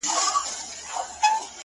زما او ستا په يارانې حتا كوچنى هـم خـبـر;